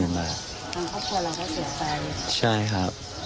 มองอะไรเป็นพิเศษไหมคะ